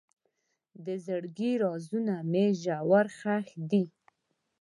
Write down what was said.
د زړګي رازونه مې ژور ښخ دي.